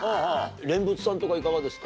蓮佛さんとかいかがですか？